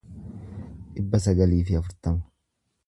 dhibba sagalii fi afurtama